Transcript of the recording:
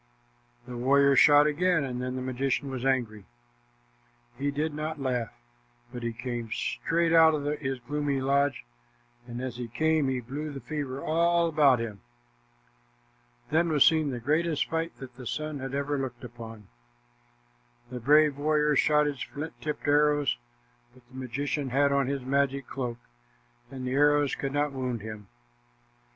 The warrior shot again, and then the magician was angry. He did not laugh, but he came straight out of his gloomy lodge, and as he came, he blew the fever all about him. Then was seen the greatest fight that the sun had ever looked upon. The brave warrior shot his flint tipped arrows, but the magician had on his magic cloak, and the arrows could not wound him.